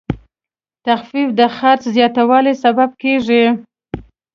تخفیف د خرڅ زیاتوالی سبب کېږي.